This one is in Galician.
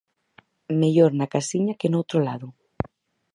Mellor na casiña que noutro lado.